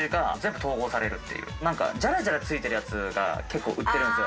なんかジャラジャラついてるやつが結構売ってるんですよ。